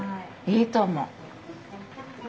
いいと思う！